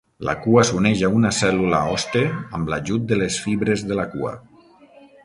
La cua s'uneix a una cèl·lula hoste amb l'ajut de les fibres de la cua.